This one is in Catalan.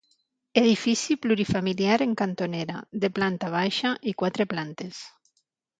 Edifici plurifamiliar en cantonera, de planta baixa i quatre plantes.